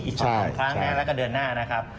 ๒๐๐๐ครั้งแล้วก็เดือนหน้านะครับ